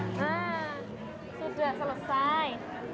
nah sudah selesai